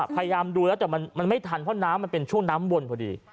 พยายามดูแล้วแต่มันไม่ทันเพราะน้ำมันเป็นช่วงน้ำวนพอดี